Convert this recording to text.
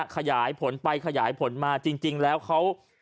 ขยายผลไปขยายผลมาจริงแล้วเขา